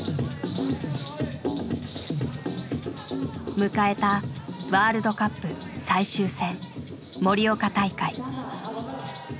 迎えたワールドカップ最終戦盛岡大会。